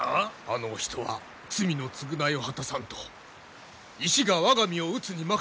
あのお人は罪の償いを果たさんと石が我が身を打つに任せておられる。